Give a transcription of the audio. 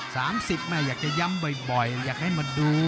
แม่อยากจะย้ำบ่อยอยากให้มาดู